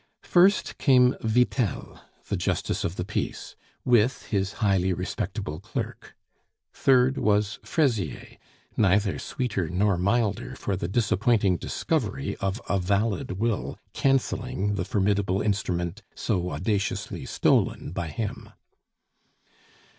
First came Vitel, the justice of the peace, with his highly respectable clerk; third was Fraisier, neither sweeter nor milder for the disappointing discovery of a valid will canceling the formidable instrument so audaciously stolen by him.